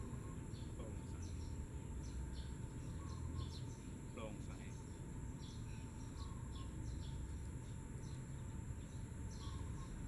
โปร่งใส